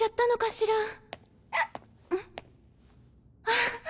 あっ！